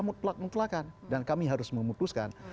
mutlak mutlakkan dan kami harus memutuskan